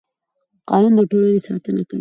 قانون د ټولنې ساتنه کوي